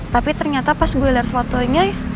tapi ternyata pas gue liat fotonya